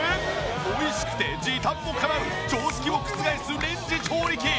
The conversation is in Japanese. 美味しくて時短もかなう常識を覆すレンジ調理器！